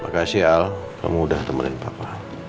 makasih al kamu udah temenin bapak